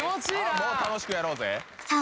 もう楽しくやろうぜさあ